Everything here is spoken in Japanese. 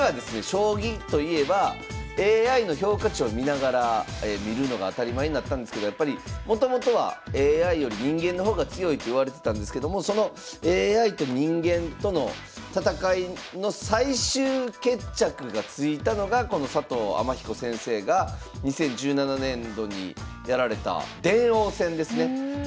将棋といえばＡＩの評価値を見ながら見るのが当たり前になったんですけどもともとはＡＩより人間の方が強いっていわれてたんですけどもそのＡＩと人間との戦いの最終決着がついたのがこの佐藤天彦先生が２０１７年度にやられた電王戦ですね。